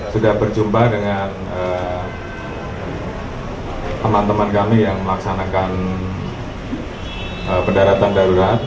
sudah berjumpa dengan teman teman kami yang melaksanakan pendaratan darurat